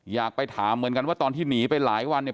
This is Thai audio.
อยากไปถามเหมือนกันว่าตอนที่หนีไปหลายวันเนี่ย